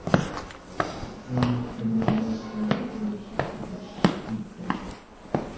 isoni bitari ngombwa cyangwa byinshi bidashidikanywaho